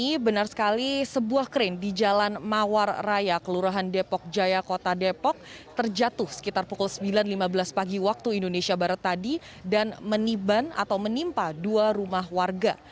ini benar sekali sebuah krain di jalan mawar raya kelurahan depok jaya kota depok terjatuh sekitar pukul sembilan lima belas pagi waktu indonesia barat tadi dan meniban atau menimpa dua rumah warga